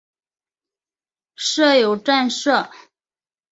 设有站舍。